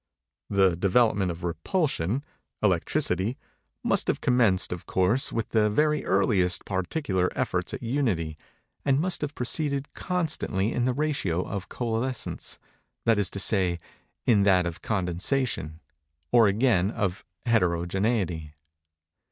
The development of Repulsion (Electricity) must have commenced, of course, with the very earliest particular efforts at Unity, and must have proceeded constantly in the ratio of Coalescence—that is to say, in that of Condensation, or, again, of Heterogeneity.